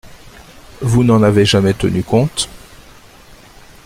Vous n’en avez jamais tenu compte.